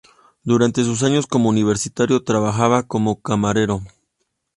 Durante sus años como universitario, trabajaba como camarero.